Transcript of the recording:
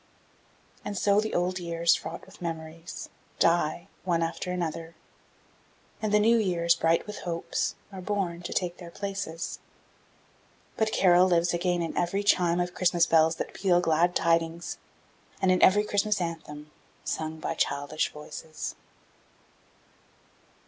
And so the old years, fraught with memories, die, one after another, and the new years, bright with hopes, are born to take their places; but Carol lives again in every chime of Christmas bells that peal glad tidings and in every Christmas anthem sung by childish voices.